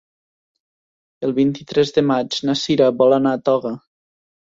El vint-i-tres de maig na Sira vol anar a Toga.